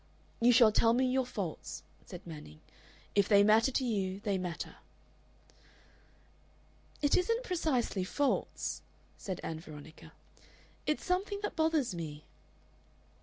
"You shall tell me your faults," said Manning. "If they matter to you, they matter." "It isn't precisely faults," said Ann Veronica. "It's something that bothers me."